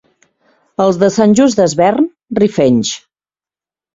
Els de Sant Just Desvern, rifenys.